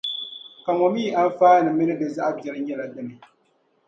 Ka ŋɔ mi anfaaninima mini di zaɣ biɛri nyɛla dini?